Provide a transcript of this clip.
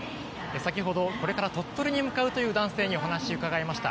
先ほど、これから鳥取に向かうという男性にお話を伺いました。